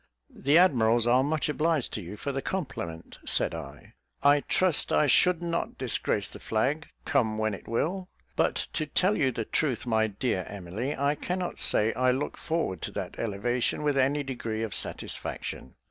"The admirals are much obliged to you for the compliment," said I. "I trust I should not disgrace the flag, come when it will; but to tell you the truth, my dear Emily, I cannot, say I look forward to that elevation, with any degree of satisfaction.